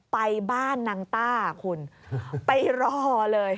ไปบ้านนางต้าคุณไปรอเลย